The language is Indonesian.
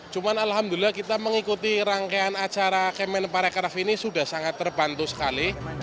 cuman alhamdulillah kita mengikuti rangkaian acara kemen parekraf ini sudah sangat terbantu sekali